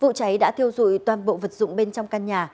vụ cháy đã thiêu dụi toàn bộ vật dụng bên trong căn nhà